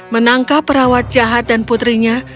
menangkap perawat jahat dan putrinya